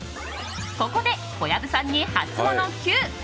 ここで小籔さんにハツモノＱ。